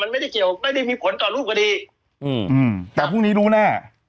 มันไม่ได้เกี่ยวไม่ได้มีผลต่อรูปคดีแต่พรุ่งนี้รู้แน่